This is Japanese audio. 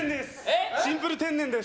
シンプル天然です。